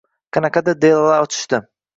qanaqadir «delo»lar ochishdi